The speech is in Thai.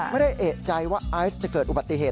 ไม่ได้เอกใจว่าไอซ์จะเกิดอุบัติเหตุ